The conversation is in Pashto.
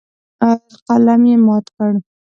قلم یې مات کړ.